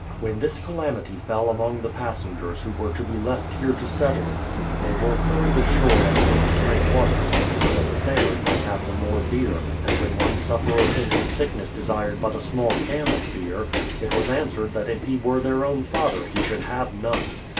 When this calamity fell among the passengers who were to be left here to settle, they were hurried ashore and made to drink water, so that the sailors might have the more beer and when one sufferer in his sickness desired but a small can of beer, it was answered that if he were their own father he should have none.